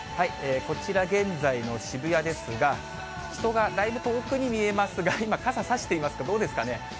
こちら、現在の渋谷ですが、人がだいぶ、遠くに見えますが、今、傘差していますか、どうですかね。